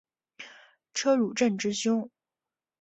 车汝震之兄。